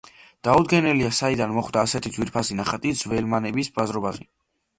დაუდგენელია, საიდან მოხვდა ასეთი ძვირფასი ნახატი ძველმანების ბაზრობაზე.